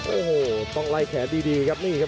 โอ้โหต้องไล่แขนดีครับนี่ครับ